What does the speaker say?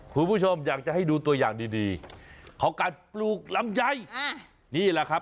คุณผู้ชมอยากจะให้ดูตัวอย่างดีดีของการปลูกลำไยนี่แหละครับ